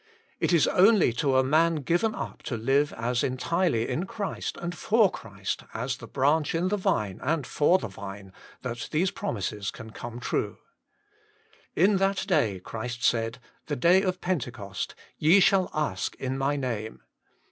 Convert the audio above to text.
It is only to a man given up to live as entirely in Christ and for Christ as the branch in the vine and for the vine, that these promises can come true. " In that day" Christ said, the day of Pentecost, " ye shall ask in My Name."